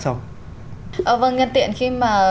sống vâng ngân tiện khi mà